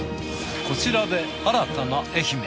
こちらで新たな愛媛